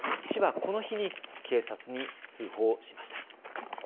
市はこの日に警察に通報しました。